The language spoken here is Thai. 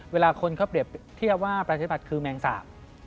เวลาคนเขาเปรียบเทียบว่าประชาธิบัติคือแมงสาบ